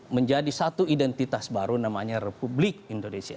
menjadi satu identitas baru namanya republik indonesia